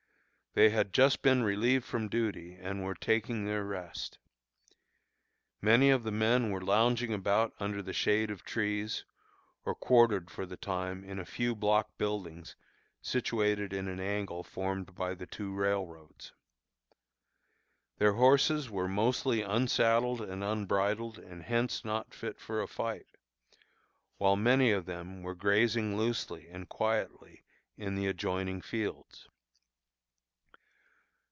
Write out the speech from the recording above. They had just been relieved from duty, and were taking their rest. Many of the men were lounging about under the shade of trees, or quartered for the time in a few block buildings situated in an angle formed by the two railroads. Their horses were mostly "unsaddled and unbridled, and hence not fit for a fight," while many of them were grazing loosely and quietly in the adjoining fields.